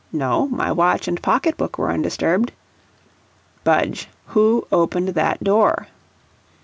No; my watch and pocketbook were undisturbed. "Budge, who opened that door?"